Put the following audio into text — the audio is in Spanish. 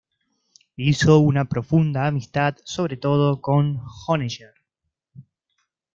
Hizo una profunda amistad sobre todo con Honegger.